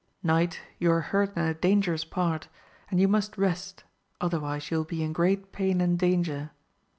Knight you are hurt in a dangerous part, and you must rest, otherwise you will be in great pain and danger.